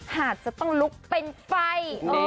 อาจจะต้องลุกเป็นไฟ